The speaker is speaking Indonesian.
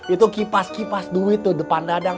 itu kipas kipas duit tuh depan dadang